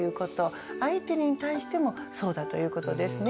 相手に対してもそうだということですね。